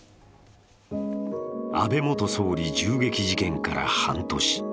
安倍元総理銃撃事件から半年。